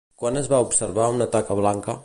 Quan es va observar una taca blanca?